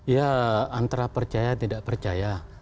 ya antara percaya tidak percaya